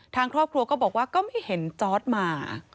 ทางครอบครัวก็บอกว่าก็ไม่เห็นจอร์ดมา